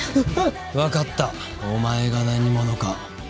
わかったお前が何者か。